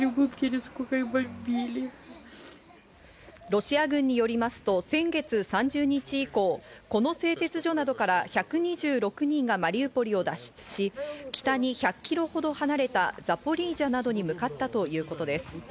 ロシア軍によりますと、先月３０日以降、この製鉄所などから１２６人がマリウポリを脱出し、北に１００キロほど離れたザポリージャなどに向かったということです。